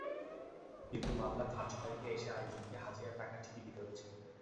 কিন্তু মামলার ধার্য তারিখে এসে আইনজীবীকে হাজিরার টাকা ঠিকই দিতে হচ্ছে।